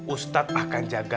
ustaz akan jaga